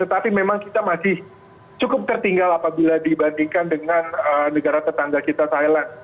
tetapi memang kita masih cukup tertinggal apabila dibandingkan dengan negara tetangga kita thailand